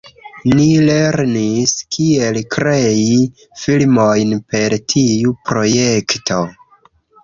Ni lernis kiel krei filmojn per tiu projekto.